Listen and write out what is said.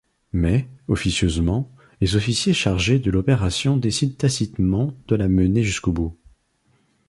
Mais, officieusement, les officiers chargés de l'opération décident tacitement de la mener jusqu'au bout.